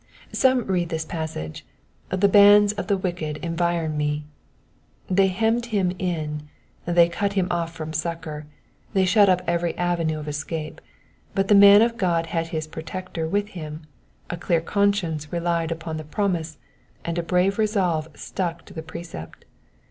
Some read this passage, The bands of the wicked environ me." They hemmed him in, they cut him off from succour, they shut up every avenue of escape, but the man of God had his protector with him ; a clear con science relied upon the promise, and a brave resolve stuck to the precept.